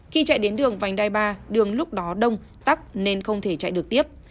khi chạy đến đường vành đai ba đường lúc đó đông tắc nên không thể chạy được tiếp